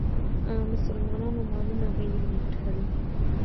مسلمانانو مالونه به یې لوټل.